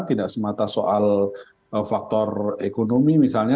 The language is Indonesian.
tidak semata soal faktor ekonomi misalnya